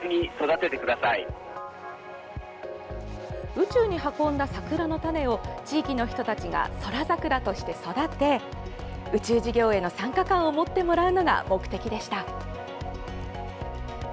宇宙に運んだ桜の種を地域の人たちが宇宙桜として育て宇宙事業への参加感を持ってもらうのが目的でした。